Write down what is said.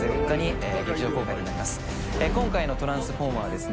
今回の「トランスフォーマー」はですね